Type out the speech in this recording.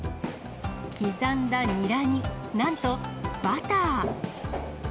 刻んだニラになんとバター。